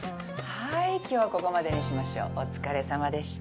はい今日はここまでにしましょうお疲れさまでした。